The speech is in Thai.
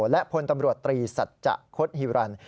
และพลตำรวจตรีศัตริย์ข้ดฮิวรันทร์